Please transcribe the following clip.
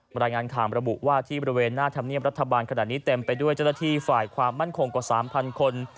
รายงานข่าวระบุว่าที่บริเวณหน้าธรรมเนียมรัฐบาลขนาดนี้เต็มไปด้วยเจ้าหน้าที่ฝ่ายความมั่นคงกว่า๓๐๐คน